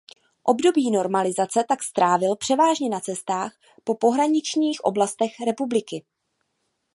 Období normalizace tak strávil převážně na cestách po pohraničních oblastech republiky.